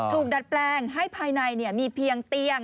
ดัดแปลงให้ภายในมีเพียงเตียง